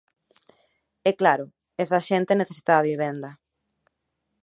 E claro, esa xente necesitaba vivenda.